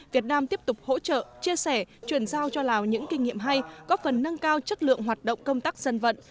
việt nam tiếp tục hỗ trợ chia sẻ truyền giao cho lào những kinh nghiệm hay góp phần nâng cao chất lượng hoạt động công tác dân vận